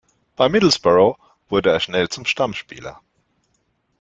Bei Middlesbrough wurde er schnell zum Stammspieler.